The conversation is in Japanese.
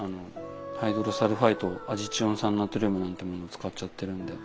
ハイドロサルファイト亜ジチオン酸ナトリウムなんてもの使っちゃってるんで。